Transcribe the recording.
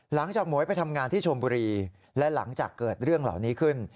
หมวยไปทำงานที่ชมบุรีและหลังจากเกิดเรื่องเหล่านี้ขึ้น